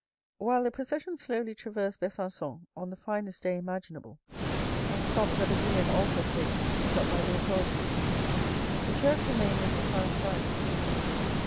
While the procession slowly traversed Besanr^on on the finest day imaginable, and stopped at the brilliant altar stations put up by the authorities, the church remained in profound silence.